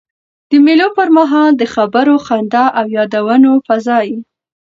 د مېلو پر مهال د خبرو، خندا او یادونو فضا يي.